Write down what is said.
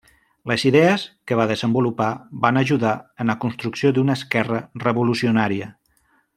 Les idees que va desenvolupar van ajudar en la construcció d'una esquerra revolucionària.